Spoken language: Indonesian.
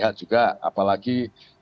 berkomunikasi dengan siapa banyak pihak juga